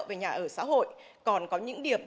về nhà ở xã hội còn có những điểm